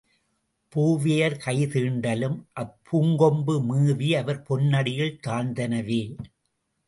பூவையர் கை தீண்டலும் அப்பூங்கொம்பு மேவி அவர் பொன்னடியில் தாழ்ந்தனவே.